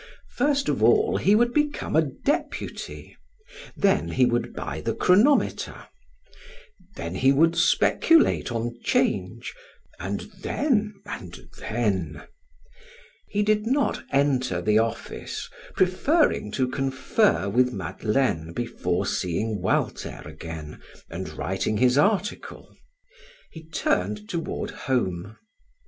First of all he would become a deputy; then he would buy the chronometer; then he would speculate on 'Change, and then, and then he did not enter the office, preferring to confer with Madeleine before seeing Walter again and writing his article; he turned toward home.